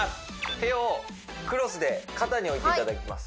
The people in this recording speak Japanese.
手をクロスで肩に置いていただきます